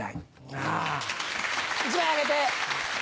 あぁ１枚あげて。